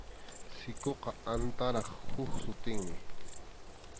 Sikuqa antarap huk sutinmi.